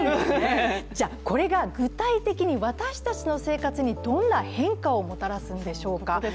これが具体的に私たちの生活にどんな変化をもたらすんでしょうか。